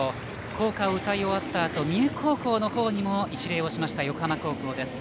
校歌を歌い終わったあと三重高校の方にも一礼しました、横浜高校です。